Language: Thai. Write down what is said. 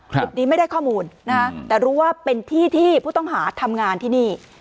จุดนี้ไม่ได้ข้อมูลนะฮะแต่รู้ว่าเป็นที่ที่ผู้ต้องหาทำงานที่นี่